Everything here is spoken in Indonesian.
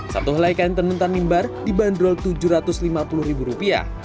satu helai kain tenun tanimbar dibanderol tujuh ratus lima puluh ribu rupiah